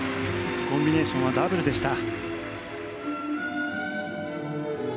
コンビネーションはダブルでした。